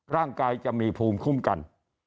ร่างกายจะมีภูมิคุ้มกัน